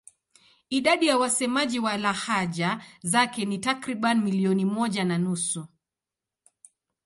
Idadi ya wasemaji wa lahaja zake ni takriban milioni moja na nusu.